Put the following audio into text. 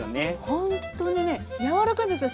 ほんとにね柔らかいんですよ